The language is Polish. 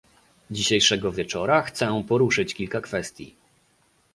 Dzisiejszego wieczora chcę poruszyć kilka kwestii